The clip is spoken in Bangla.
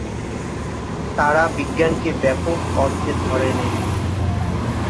তারা বিজ্ঞানকে ব্যাপক অর্থে ধরে নেন।